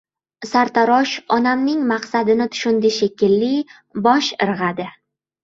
— Sartarosh onamning maqsadini tushundi shekilli, bosh irg‘adi.